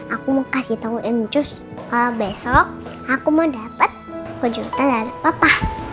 aku mau kasih tahu injus kalau besok aku mau dapet kejutan papa